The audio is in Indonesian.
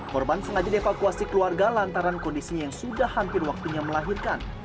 korban sengaja dievakuasi keluarga lantaran kondisinya yang sudah hampir waktunya melahirkan